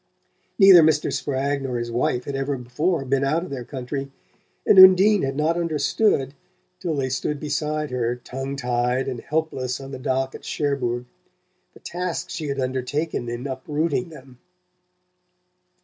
Neither Mr. Spragg nor his wife had ever before been out of their country; and Undine had not understood, till they stood beside her tongue tied and helpless on the dock at Cherbourg, the task she had undertaken in uprooting them.